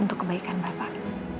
untuk kebaikan bapak